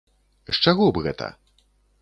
З чаго б гэта?